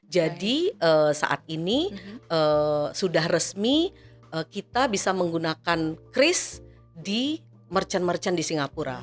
jadi saat ini sudah resmi kita bisa menggunakan criss di merchant merchant di singapura